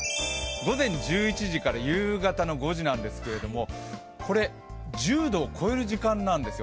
午前１１時から夕方の５時なんですけど、これ、１０度を超える時間なんですよ